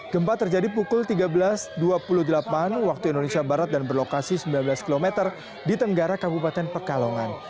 gempa terjadi pukul tiga belas dua puluh delapan waktu indonesia barat dan berlokasi sembilan belas km di tenggara kabupaten pekalongan